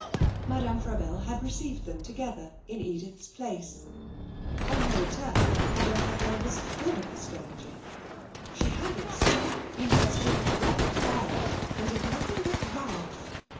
Madame Frabelle had received them together in Edith's place. On her return Madame Frabelle was full of the stranger. She had, it seemed been dressed in bright violet, and did nothing but laugh.